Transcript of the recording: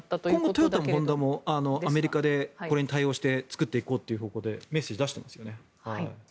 今後、トヨタもホンダもアメリカでこれに対応して作っていこうという方向でメッセージを出してますよね。